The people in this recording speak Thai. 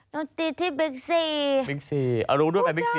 ดนตรีที่บิ๊กซีบิ๊กซีรู้ด้วยบิ๊กซี